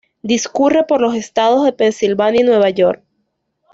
Discurre por los estados de Pensilvania y Nueva York.